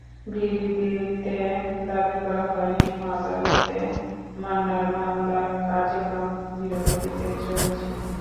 বিবৃতিতে দাবি করা হয়, নিম্ন আদালতে মান্নার মামলার কার্যক্রম ধীরগতিতে চলছে।